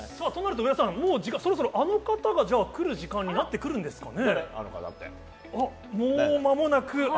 もうそろそろ、あの方が来る時間になってくるんですかね。